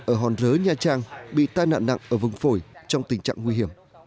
ở hòn rớ nha trang bị tai nạn nặng ở vùng phổi trong tình trạng nguy hiểm